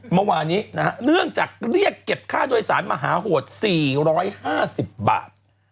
เมื่อวานี้นะฮะเนื่องจากเรียกเก็บค่าโดยสารมหาโหด๔๕๐บาท